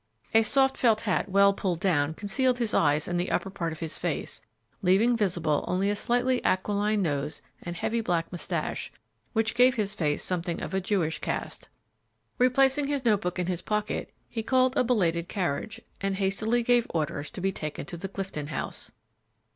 A soft felt hat well pulled down concealed his eyes and the upper part of his face, leaving visible only a slightly aquiline nose and heavy, black mustache, which gave his face something of a Jewish cast. Replacing his note book in his pocket, he called a belated carriage, and hastily gave orders to be taken to the Clifton House.